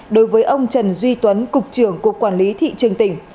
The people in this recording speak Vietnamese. đối với ông trần duy tuấn cục trưởng cục quản lý thị trường tỉnh